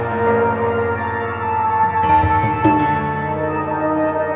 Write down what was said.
bisa kubah kan